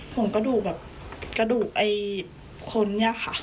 ผงกระดูกแบบกระดูกไอ้คนนี้ค่ะ